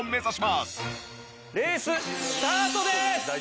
レーススタートです！